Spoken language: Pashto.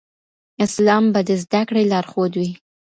اسلام به د زده کړې لارښود وي.